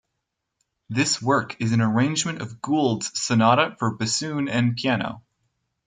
This work is an arrangement of Gould's Sonata for Bassoon and Piano.